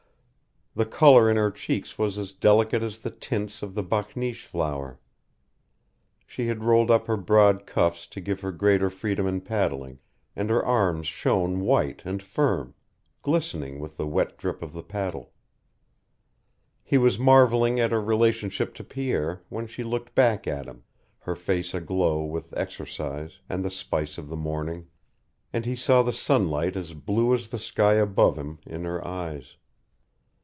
The color in her cheeks was as delicate as the tints of the bakneesh flower. She had rolled up her broad cuffs to give her greater freedom in paddling, and her arms shone white and firm, glistening with the wet drip of the paddle. He was marveling at her relationship to Pierre when she looked back at him, her face aglow with exercise and the spice of the morning, and he saw the sunlight as blue as the sky above him in her eyes.